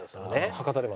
博多でも。